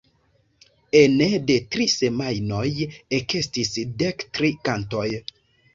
Ene de tri semajnoj ekestis dek tri kantoj.